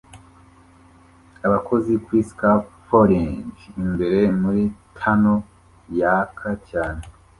Abakozi kuri scafolding imbere muri tunnel yaka cyane